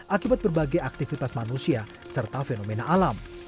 akibat berbagai aktivitas manusia serta fenomena alam